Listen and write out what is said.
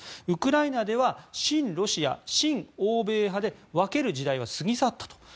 ウクライナでは親ロシア親欧米派で分ける時代は過ぎ去ったと。